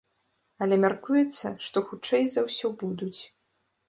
Але мяркуецца, што хутчэй за ўсё будуць.